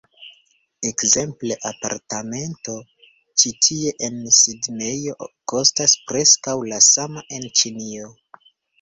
Ekzemple, apartamento ĉi tie en Sidnejo, kostas preskaŭ la sama en Ĉinio